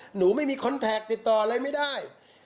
หนูไม่มีคอนแท็กติดต่ออะไรไม่ได้